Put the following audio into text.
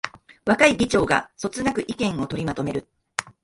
若い議長がそつなく意見を取りまとめる